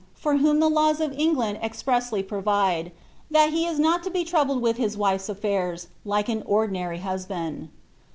for whom the laws of England expressly provide, that he is not to to troubled with his wife's affairs, like un ordinary husband.